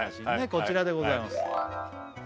こちらでございます